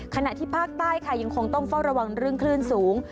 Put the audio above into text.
ขณะที่ภาคใต้ค่ะยังคงต้องเฝ้าระวังเรื่องคลื่นสูง